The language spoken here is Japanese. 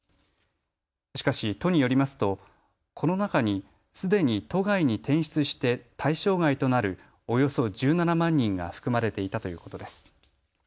しかし都によりますとこの中にすでに都外に転出して対象外となるおよそ１７万人が含まれていたということです。